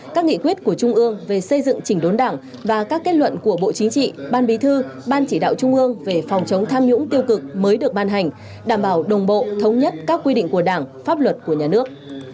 các nghị quyết của trung ương về xây dựng chỉnh đốn đảng và các kết luận của bộ chính trị ban bí thư ban chỉ đạo trung ương về phòng chống tham nhũng tiêu cực mới được ban hành đảm bảo đồng bộ thống nhất các quy định của đảng pháp luật của nhà nước